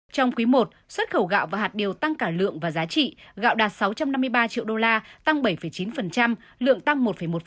trong quý i xuất khẩu gạo và hạt điều tăng cả lượng và giá trị gạo đạt sáu trăm năm mươi ba triệu đô la tăng bảy chín lượng tăng một một